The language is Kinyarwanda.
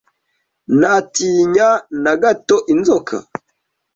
Ntatinya na gato inzoka.